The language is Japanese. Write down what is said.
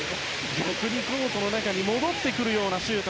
逆にコートの中に戻ってくるようなシュート。